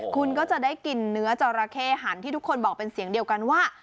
คุณก็จะได้กินเนื้อจอราเข้หันที่ทุกคนบอกเป็นเสียงเดียวกันว่า